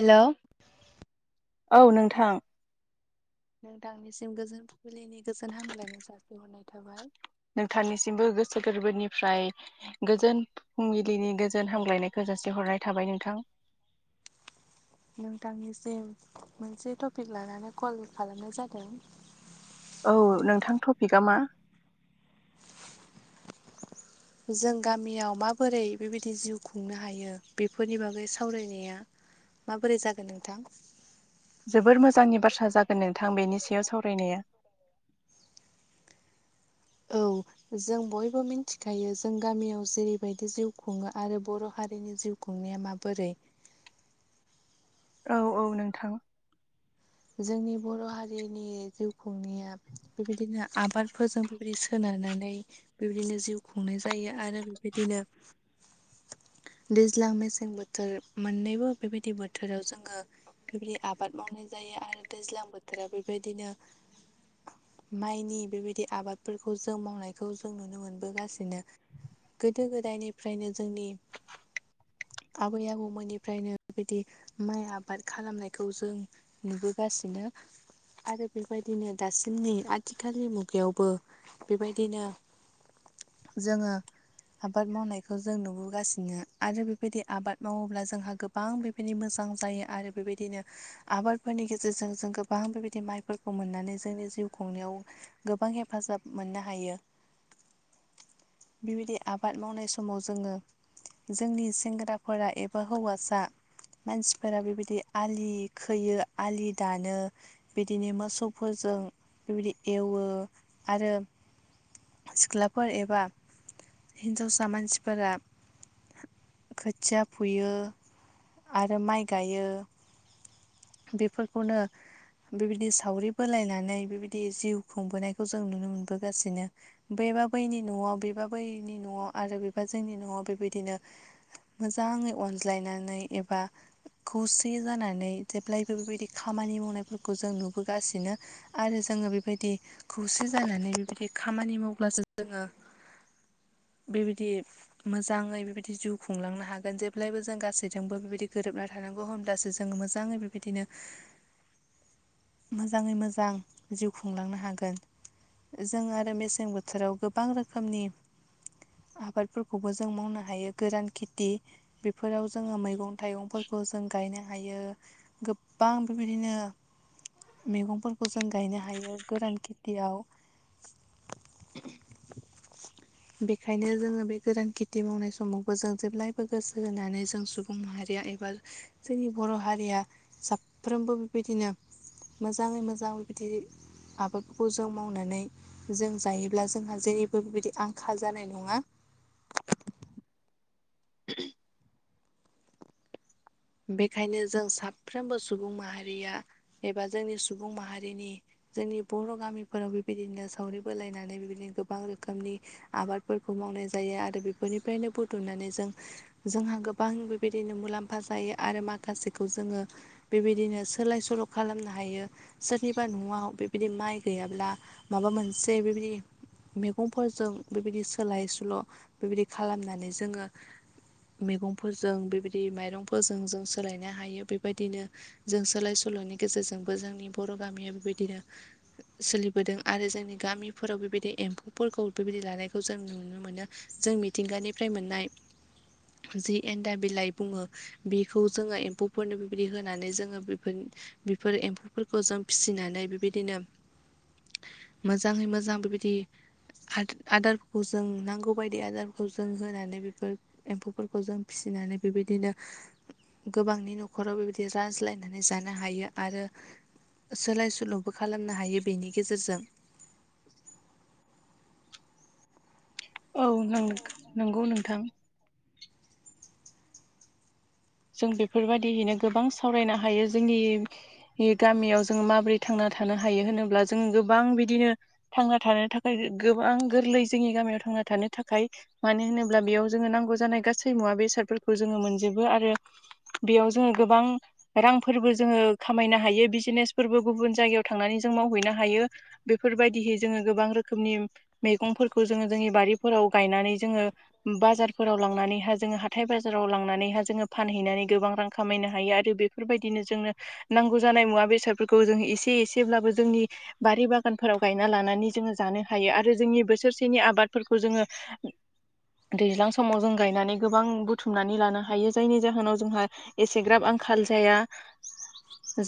Hello. औ नोंथां। नोंथांनिसिम गोजोन फुंबिलिनि गोजोन हामगलायनाय जासिहरनाय थाबाय। नोंथांनिसिमबो गोसो गोरबोनिफ्राय गोजोन फुंबिलिनि गोजोन हामलायनायखौ जासिहरनाय थाबाय नोंथां। नोंथांनिसिम मोनसे टपिक लानानै कल खालामनाय जादों। औ नोंथां टपिकआ मा? [inaudible] जों गामियाव माबोरै बेबायदि जिउ खुंनो हायो बेफोरनि बागै सावरायनाया माबोरै जागोन नोंथां? जोबोर मोजांनि बाथ्रा जागोन नोंथां बेनि सायाव सावरायनाया। औ। जों बयबो मिथिखायो जों गामियाव जेरैबायदि जिउ खुङो आरो बर' हारिनि जिउ गंनाया माबोरै औ औ नोंथां। जोंनि बर' हारिनि जिउ खुंनाया बेबायदिनो आबाद [unintelligible] बेबायदि सोनारनानै बेबायदिनो जिउ खुंनाय जायो आरो बेबायदिनो दैज्लां मेसें बोथोर मोननैबो बेबायदि बोथोराव जोङो बेबायदि आबाद मावनाय जायो आरो दैज्लां बोथोराव बेबायदिनो माइनि बेबायदि आबादफोरखौ जों मावनायखौ जों नुनो मोनबोगासिनो गोदो गोदायनिफ्रायनो जोंनि आबै आबौमोननिफ्रायनो बेबायदि माइ आबाद खालामनायखौ जों नुबोगासिनो आरो बेबायदिनो दासिमनि आथिखालनि मुगायावबो बेबायदिनो जोङो आबाद मावनायखौ जों नुबोगासिनो आरो बेबायदि आबाद मावोब्ला जोंहा गो गोबां बेबायदि मोजां जायो आरो बेबायदिनो आबाद फोरनि गेजेरजों जों गोबां बेबायदि माइफोरखौ मोननानै जोंनि जिउ खुंनायाव गोबां हेफाजाब मोननो हायो। बेबायदि आबाद मावनाय समाव जोङो जोंनि सेंग्राफोरा एबा हौवासा मानसिफोरा बेबायदि आलि खोयो आलि दानो बिदिनो मोसौफोरजों बेबायदि एवो आरो सिख्लाफोर एबा हिनजावसा मानसिफोरा खोथिया फुयो आरो माइ गायो फोरखौनो बेबायदि सावरि बोलायनानै बेबायदि जिउ खुंबोनायखौ जों नुनो मोनबोगासिनो। बेबा बैनि न'आव बेबा बैनि न'आव आरो बेबा जोंनि न'आव बेबायदिनो मोजाङै अनज्लायनानै एबा खौसे जानानै जेब्लायबो बेबायदि खामानि मावनायफोरखौ जों नुबोगासिनो आरो जोङो बेबायदि खौसे जानानै बेबायदि खामानि मावब्लासो जोङो बेबायदि मोजाङै बेबायदि जिउ खुंलांनो हागोन जेब्लायबो जों गासैजोंबो बेबायदि गोरोबनानै थानांगौ होमब्लासो जोङो मोजाङै बेबायदिनो मोजाङै मोजां जिउ खुंलांनो हागोन। जों आरो मेसें बोथोराव गोबां रोखोमनि आबादफोरखौबो जों मावनो हायो गोरान खेथि बेफोराव जोङो मैगं थाइगंफोरखौ जों गायनो हायो गोबां बेबायदिनो मैगंफोरखौ जों गायनो हायो गोरान खेथियाव। [inaudible] बेखायनो जोङो बे गोरान खेथि मावनाय समावबो जों जेब्लायबो गोसो होनानै जों सु बुं माहारिया एबा जोंनि बर' हारिया फ्रोमबो बेबायदिनो मोजाङै मोजां बेबायदि आबादफोरखौ जों मावनानै जों जायोब्ला जोंहा जेरैबो बेबायदि आंखाल जानाय नङा। [inaudible] बेखायनो जों साफ्रोमबो सुबुं माहारिया एबा जोंनि सुबुं माहारिनि जोंनि बर' गामिफोराव बेबायदिनो सावरि बोलायनानै बेबायदिनो गोबां रोखोमनि आबादफोरखौ मावनाय जायो आरो बेफोरनिफ्रायनो बुथुमनानै जों जोंहा गोबां बेबायदिनो मुलाम्फा जायो आरो माखासेखौ जोङो बेबायदिनो सोलाय सोल' खालामनो हायो। सोरनिबा न'आव बेबायदि माइ गैयाब्ला माबा मोनसे बेबायदि मेगंफोरजों बेबायदि सोलाय सोल' बेबायदि खालामनानै जोङो मेगंफोरजों बेबायदि माइरंफोरजों जों सोलायनो हायो बेबायदिनो जों सोलाय सोल'नि गेजेरजोंबो जोंनि बर' गामिया बेबायदिनो सोलिबोदों आरो जोंनि गामिफोराव बेबायदि एम्फौफोरखौ बेबायदि लानायखौ जों नुनो मोनो। जों मिथिंगानिफ्राय मोननाय जि एन्डा बिलाइ बुङो बेखौ जोङो एम्फौफोरनो बेबायदि होनानै जोङो बेफोरन बेफोर एम्फौफोरखौ जों फिसिनानै बेबायदिनो मोजाङै मोजां बेबायदि हाद आदारफोरखौ जों नांगौबायदि आदारफोरखौ जों होनानै बेफोर एम्फौफोरखौ जों फिसिनानै बेबायदिनो गोबांनि न'खराव बेबायदि जाज्लायनानै जानो हायो आरो सोलाय सोल'बो खालामनो हायो बेनि गेजेरजों। औ नों नोंगौ नोंथां। जों बेफोरबायदियैनो गोबां सावरायनो हायो जोंनि हि गामियाव जोङो माबोरै थांना थानो हायो होनोब्ला जों गोबां बिदिनो थांना थानो थाखाय गोबां गोरलै जोंनि गामियाव थांना थानो थाखाय मानो होनोब्ला बेयाव जोङो नांगौ जानाय गासै मुवा बेसादफोरखौ जोङो मोनजोबो आरो बेयाव जोङो गोबां रांफोरबो जोङो खामायनो हायो बिजेनेसफोरबो गुबुन जायगायाव थांनानै जों मावहैनो हायो। बेफोरबायदिहै जोङो गोबां रोखोमनि मैगंफोरखौ जोङो जोंनि बारिफोराव गायनानै जोङो बाजारफोराव लांनानैहा जोङो हाथाय बाजाराव लांनानैहा जोङो फानहैनानै गोबां रां खामायनो हायो आरो बेफोरबायदिनो जोंनो नांगौ जानाय मुवा बेसादफोरखौ जों एसे एसेब्लाबो जोंनि बारि बागानफोराव गायना लानानै जोङो जानो हायो आरो जोंनि बोसोरसेनि आबादफोरखौ जोङो दैज्लां समाव जों गायनानै गोबां बुथुमनानै लानो हायो। जायनि जाहोनाव जोंहा एसेग्राब आंखाल जाया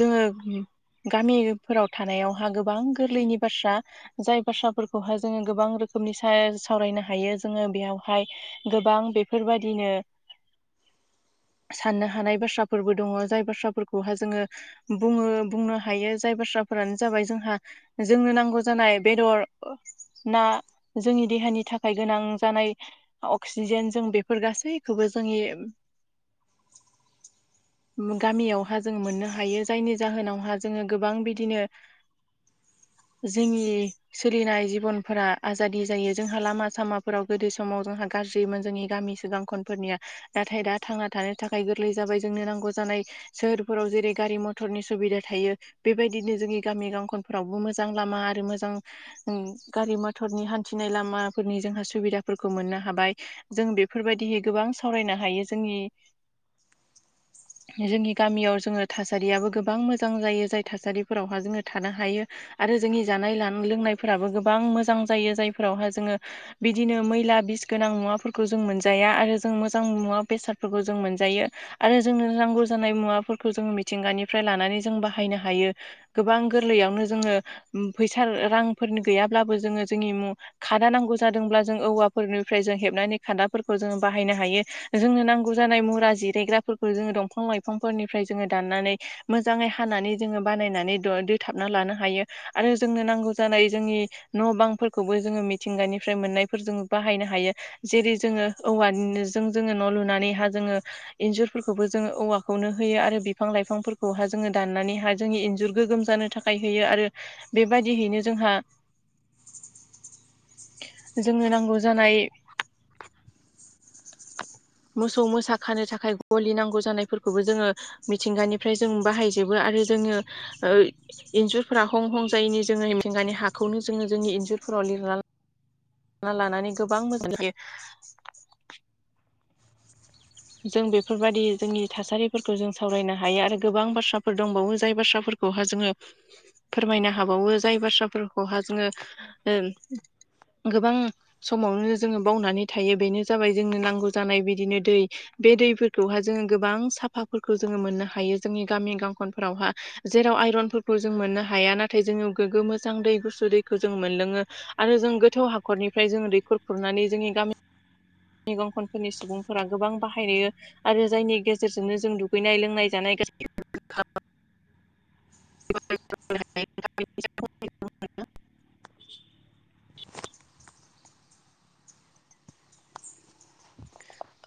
जोङो गामिफोराव थानायावहा गोबां गोरलैनि बाथ्रा जाय बाथ्राफोरखौहाय जोङो गोबां रोखोमनि सा सावरायनो हायो जोङो बेयावहाय गोबां बेफोरबादिनो साननो हानाय बाथ्राफोरबो दङ जाय बाथ्राफोरखौहा जोङो बुङो बुंनो हायो जाय बाथ्राफोरानो जाबाय जोंहा जोंनो नांगौ जानाय बेदर ना जोंनि देहानि थाखाय गोनां जानाय अक्सिजेन जों बेफोर गासैखौबो जोंनि ए गामियावहा जों मोननो हायो जायनि जाहोनावहा जोङो गोबां बिदिनो [inaudible] जोंनि सोलिनाय जिबनफोरा आजादि जायो जोंहा लामा सामाफोराव गोदो समाव जोंहा गाज्रिमोन जोंनि गामि सिगां खनफोरनिया नाथाय दा थांना थानो थाखाय गोरलै जाबाय जोंनो नांगौ जानाय सोहोरफोराव जेरै गारि मथरनि सुबिदा थायो। बेबायदिनो जोंनि गामि गांखनफोरावबो मोजां लामा आरो मोजां ओं गारि मथरनि हान्थिनाय लामाफोरनि जोंहा सुबिदाफोरखौ मोननो हाबाय। जों बेफोरबायदिहै गोबां सावरायनो हायो जोंनि जोंनि गामियाव जोङो थासारियाबो गोबां मोजां जायो जाय थासारिफोरावहा जोङो थानो हायो। आरो जोंनि जानाय लान लोंनायफोराबो गोबां मोजां जायो जायफोरावहा जोङो बिदिनो मैला बिस गोनां मुवाफोरखौ जों मोनजाया आरो जों मोजां मुवा बेसादफोरखौ जों मोनजायो। आरो जोंनो नांगौ जानाय मुवाफोरखौ जों मिथिंगानिफ्राय लानानै जों बाहायनो हायो। गोबां गोरलैयावनो जोङो उम फैसा रांफोरनो गैयाब्लाबो जोङो जोंनि खादा नांगौ जादोंब्ला जों औवाफोरनिफ्राय जों हेबनानै खादाफोरखौ जोङो बाहायनो हायो। जोंनो नांगौ जानाय मुरा जिरायग्राफोरखौ जोङो दंफां लाइफांफोरनिफ्राय जोङो दाननानै मोजाङै हानानै जोङो बानायनानै दय दोथाबना लानो हायो आरो जोंनो नांगौ जानाय जोंनि न' बांफोरखौबो जोङो मिथिंगानिफ्राय मोननायफोरजों बाहायनो हायो। जेरै जोङो औवानिनो जों जोङो न' लुनानैहा जोङो इन्जुरफोरखौबो जोङो औवा खौनो होयो आरो बिफां लाइफांफोरखौहा जोङो दाननानैहा जोंनि इन्जुर गोगोम जानो थाखाय होयो आरो बेबादिहैनो जोंहा [inaudible] जोंनो नांगौ जानाय [inaudible] मोसौ मोसा खानो थाखाय गलि नांगौ जानायफोरखौबो जोङो मिथिंगानिफ्राय जों बाहायजोबो आरो जोङो ओ इन्जुरफोरा हं हं जायिनि जोङो मिथिंगानि हाखौनो जोङो जोंनि इन्जुरफोराव लिरला [unintelligible] लानानै गोबां मोजां [unintelligible] जों बेफोरबायदि जोंनि थासारिफोरखौ जों सावरायनो हायो आरो गोबां बाथ्राफोर दंबावो जाय बाथ्राफोर खौहा जोङो फोरमायनो हाबावो जाय बाथ्राफोरखौहा जोङो ओ गोबां समावनो जोङो बावनानै थायो बेनो जाबाय जोंनो नांगौ जानाय बिदिनो दै बे दैफोरखौहा जोङो गोबां साफाफोरखौ जोङो मोननो हायो जोंनि गामि गांखनफोरावहा जेराव आयरनफोरखौ जों मोननो हाया नाथाय जोङो गोग्गो मोजां दै गुसु दैखौ जों मोनलोङो। आरो जों गोथौ हाखरनिफ्राय जोङो दैख'र खुरनानै जोंनि गामि [unintelligible] सुबुंफोरा गोबां बाहाय [unintelligible] आरो जायनि गेजेरजोंनो जों दुगैनाय लोंनाय जानाय गासै [inaudible] [unintelligible]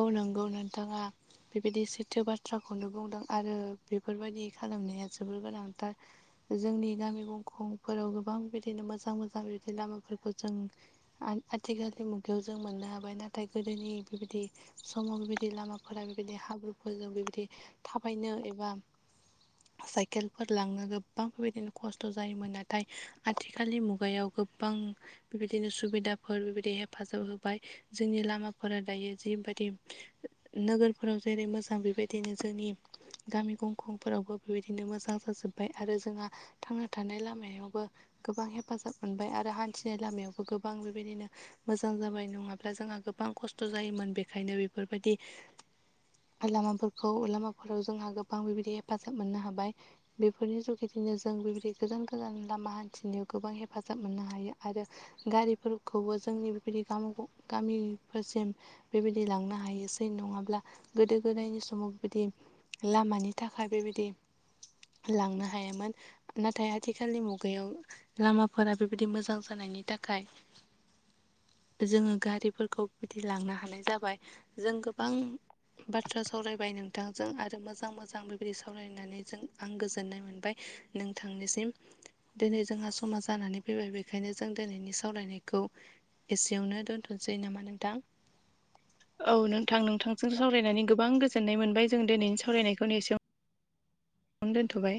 औ नंगौ नोंथाङा बेबायदि सैथो बाथ्राखौनो बुंदों आरो बेफोरबायदि खालामनाया जोबोर गोनांथार। जोंनि गामि गंखंफोराव गोबां बिदिनो मोजां मोजां [unintelligible] लामाफोरखौ जों आय आथिखालनि मुगायाव जों मोननो हाबाय नाथाय गोदोनि बिबादि समाव बेदि लामाफोरा बिबायदि हाब्रुफोरजों बेबायदि थाबायनो एबा [inaudible] साइकेलफोर लांनो गोबां बेबायदिनो खस्थ' जायोमोन नाथाय आथिखालनि मुगायाव गोबां बिबायदिनो सुबिदाफोर बेबायदि हेफाजाब होबाय जोंनि लामाफोरा दायो जिबादि नोगोरफोराव जेरै मोजां बेबायदिनो जोंनि गामि गंखंफोरावबो बेबायदिनो मोजां जाजोब्बाय आरो जोंहा थांना थानाय लामायावबो गोबां हेफाजाब मोनबाय आरो हान्थिनाय लामायावबो गोबां बेबायदिनो मोजां जाबाय नङाब्ला जोंहा गोबां खस्थ' जायोमोन बेखायनो बेफोरबायदि लामाफोरखौ लामाफोराव जोंहा गोबां बेबायदि हेफाजाब मोननो हाबाय। बेफोरनि जुगिदिनो जों बिबायदि गोजान गोजान लामा हान्थिनायाव गोबां हेफाजाब मोननो हायो आरो गारिफोरखौबो जोंनि बिबायदि गामि गं गामिफोरसिम बेबायदि लांनो हायोसै नङाब्ला गोदो गोदायनि समाव बिबादि लामानि थाखाय बेबायदि लांनो हायामोन नाथाय आथिखालनि मुगायाव लामाफोरा बेबायदि मोजां जानायनि ताखाय [inaudible] जोङो गारिफोरखौ बिदि लांनो जाबाय जों गोबां बाथ्रा सावरायबाय नोंथांजों आरो मोजां मोजां बेबायदि सावरायनानै जों आं गोजोननाय मोनबाय नोंथांनिसिम। दोनै जोंहा समा जानानै फैबाय बेखायनो जों दोनैनि सावरायनायखौ एसेयावनो दोनथ'नोसै नामा नोंथां? औ नोंथां नोंथांजों सावरायनानै गोबां गोजोननाय मोनबाय जों दिनैनि सावरायनायखौनो एसे दोन्थ'बाय